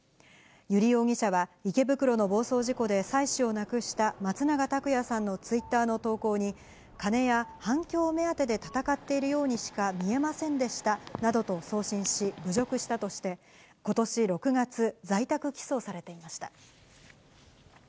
油利容疑者は、池袋の暴走事故で妻子を亡くした松永拓也さんのツイッターの投稿に、金や反響目当てで闘っているようにしか見えませんでしたなどと送信し、侮辱したとして、ことし６月、在宅起訴されていました。